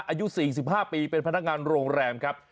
อายุ๔๕ปีเป็นพนักงานโรงแรมครับ